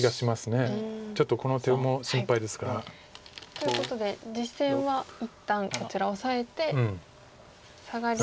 ちょっとこの手も心配ですから。ということで実戦は一旦こちらオサえてサガリに。